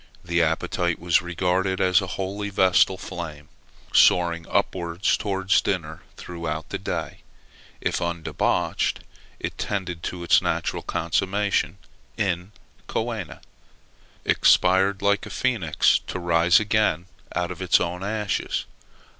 The appetite was regarded as a holy vestal flame, soaring upwards towards dinner throughout the day: if undebauched, it tended to its natural consummation in coena: expired like a phoenix, to rise again out of its own ashes.